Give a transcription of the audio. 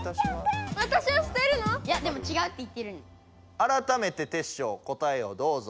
あらためてテッショウ答えをどうぞ。